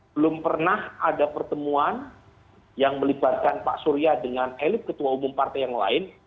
belum pernah ada pertemuan yang melibatkan pak surya dengan elit ketua umum partai yang lain